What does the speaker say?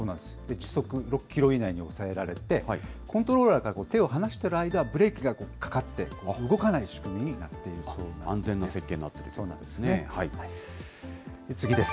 時速６キロ以内に抑えられて、コントローラーから手を離している間、ブレーキがかかって、動かない仕組みになっているそうなんです。